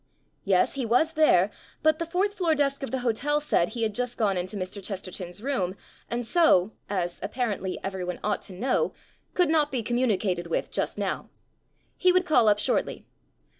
Yes, he was there, but the fourth floor desk of the hotel said he had just gone into Mr. Chesterton's room, and so (as, apparently, everyone ought to know) could not be communi cated with just now. He would call up shortly.